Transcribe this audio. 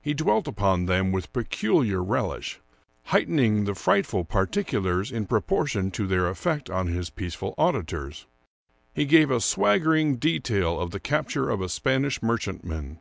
He dwelt upon them with peculiar relish, heightening the frightful particulars in proportion to their effect on his peaceful auditors. He gave a swaggering detail of the cap ture of a Spanish merchantman.